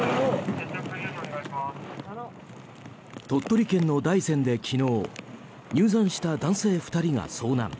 鳥取県の大山で昨日入山した男性２人が遭難。